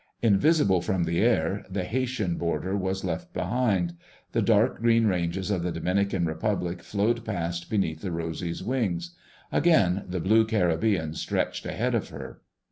Invisible from the air the Haitian border was left behind. The dark green ranges of the Dominican Republic flowed past beneath the Rosy's wings. Again the blue Caribbean stretched ahead of her.